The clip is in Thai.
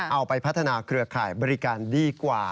เอาไปพัฒนาเครือข่ายบริการดีกว่า